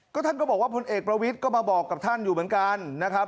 ท่านก็บอกว่าพลเอกประวิทย์ก็มาบอกกับท่านอยู่เหมือนกันนะครับ